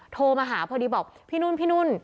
โทรมาหาพอดีบอกพี่นุ่นพี่นุ่น